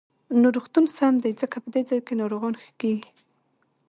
نو روغتون سم دی، ځکه په دې ځاى کې ناروغان ښه کېږي.